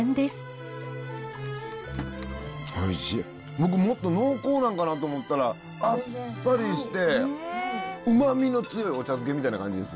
僕もっと濃厚なんかなと思ったらあっさりしてうまみの強いお茶漬けみたいな感じです。